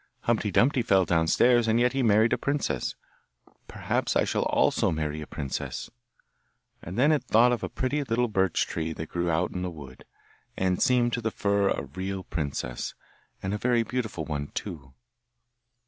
Humpty dumpty fell downstairs, and yet he married a princess; perhaps I shall also marry a princess!' And then it thought of a pretty little birch tree that grew out in the wood, and seemed to the fir tree a real princess, and a very beautiful one too.